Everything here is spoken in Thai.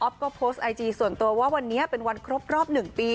ก็โพสต์ไอจีส่วนตัวว่าวันนี้เป็นวันครบรอบ๑ปี